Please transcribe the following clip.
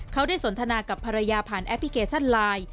เขาได้สนทนากับภรรยาผ่านแอปพลิเคชันไลน์